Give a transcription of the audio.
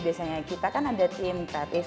biasanya kita kan ada tim statis